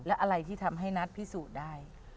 และอะไรที่ทำให้นัทพิสูจน์ได้